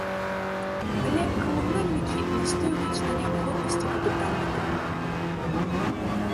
Але камунальнікі настойваюць на неабходнасці капітальнага рамонту.